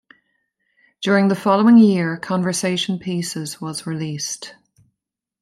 During the following year, "Conversation Pieces" was released.